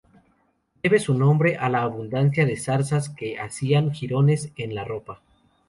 Debe su nombre a la abundancia de zarzas que hacían jirones en la ropa.